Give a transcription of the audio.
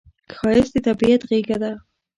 ښایست د طبیعت غېږه ده